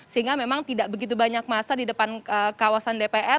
sehingga memang tidak begitu banyak masa di depan kawasan dpr